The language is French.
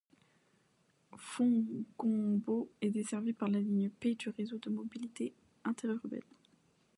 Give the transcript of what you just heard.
Fontgombault est desservie par la ligne P du Réseau de mobilité interurbaine.